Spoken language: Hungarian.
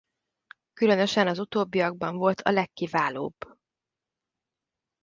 Különösen az utóbbiakban volt a legkiválóbb.